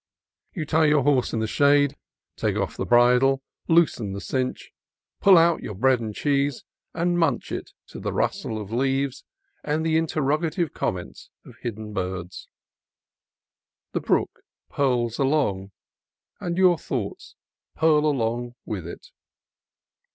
You tie your horse in the shade, take off the bridle, loosen the cinch, THE GUAJOME 39 pull out your bread and cheese, and munch it to the rustle of leaves and the interrogative comments of hidden birds. The brook purls along, and your thoughts purl along with it.